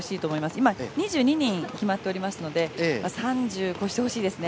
今、２２人決まっておりますので３０超してほしいですね。